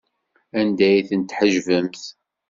Anda ay ten-tḥejbemt?